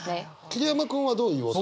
桐山君はどういう音？